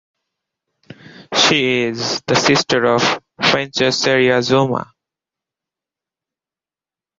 She is the sister of fencer Sera Azuma.